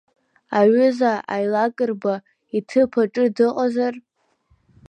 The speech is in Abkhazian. Аҩыза Аилакрба иҭыԥ аҿы дыҟазар?